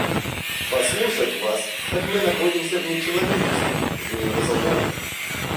Послушать вас, так мы находимся вне человечества, вне его законов.